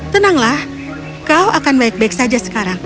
tenanglah kau akan baik baik saja sekarang